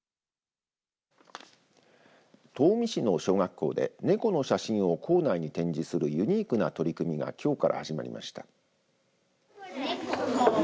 東御市の小学校でネコの写真を校内に展示するユニークな取り組みがきょうから始まりました。